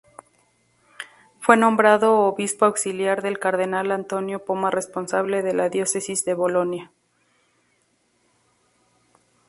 Fue nombrado obispo auxiliar del cardenal Antonio Poma responsable de la diócesis de Bolonia.